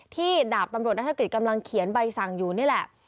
ดาบตำรวจนัฐกฤษกำลังเขียนใบสั่งอยู่นี่แหละ